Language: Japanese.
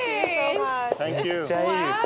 めっちゃいい歌。